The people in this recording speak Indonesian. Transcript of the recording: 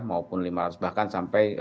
maupun lima ratus bahkan sampai